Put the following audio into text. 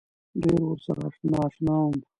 ډېر ورسره نا اشنا وم.